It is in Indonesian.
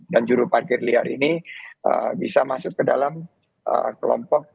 dan juru parkir liar ini bisa masuk ke dalam kelompok